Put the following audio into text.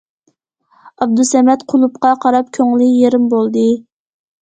ئابدۇسەمەت قۇلۇپقا قاراپ كۆڭلى يېرىم بولدى.